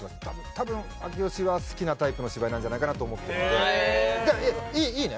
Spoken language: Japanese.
多分明慶は好きなタイプの芝居じゃないかなと思ってるのでいいね？